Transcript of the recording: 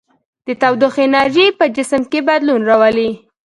د تودوخې انرژي په جسم کې بدلون راولي.